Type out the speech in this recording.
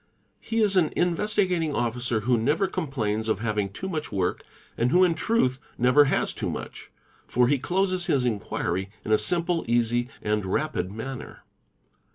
He is an Investigating Officer who never com plains of having too much work and who in truth never has too much ;_ for he closes his inquiry in a simple, easy and rapid manner.